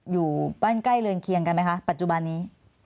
อยู่บ้านใกล้เรือนเคียงกันไหมคะปัจจุบันนี้